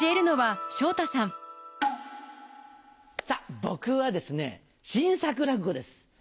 さぁ僕はですね新作落語です。